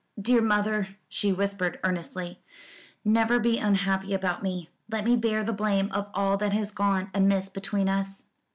"Dear mother," she whispered earnestly, "never be unhappy about me. Let me bear the blame of all that has gone amiss between us."